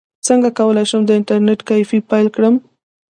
څنګه کولی شم د انټرنیټ کیفې پیل کړم